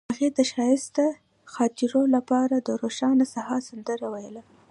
هغې د ښایسته خاطرو لپاره د روښانه سهار سندره ویله.